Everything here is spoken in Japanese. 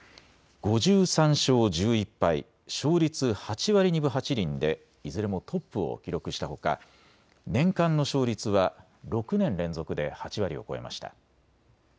５３勝１１敗、勝率８割２分８厘でいずれもトップを記録したほか年間の勝率は６年連続で８割を超えました。